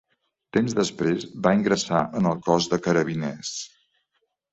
Temps després va ingressar en el Cos de Carabiners.